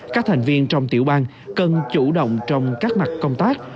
các thành viên trong tiểu ban cần chủ động trong các mặt công tác